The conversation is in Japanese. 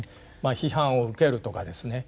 批判を受けるとかですね